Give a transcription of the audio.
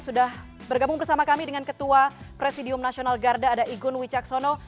sudah bergabung bersama kami dengan ketua presidium nasional garda ada igun wicaksono